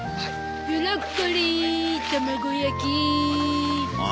「ブロッコリー卵焼き」あ？